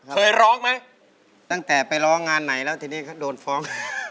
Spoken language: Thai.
เคยร้องไหมตั้งแต่ไปร้องงานไหนแล้วทีนี้เขาโดนฟ้อง